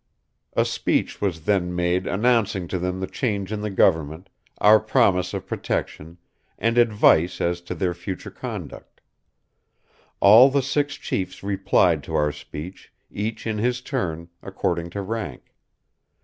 A speech was then made announcing to them the change in the government, our promise of protection, and advice as to their future conduct. All the six chiefs replied to our speech, each in his turn, according to rank.